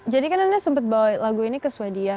jadi kan anda sempat bawa lagu ini ke swadia